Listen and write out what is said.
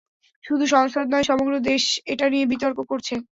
শুধু সংসদ নয়, সমগ্র দেশ এটা নিয়ে বিতর্ক করছে।